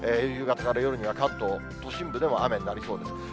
夕方から夜には関東、都心部でも雨になりそうです。